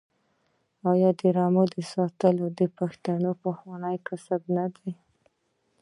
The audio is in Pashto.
آیا د رمو ساتل د پښتنو پخوانی کسب نه دی؟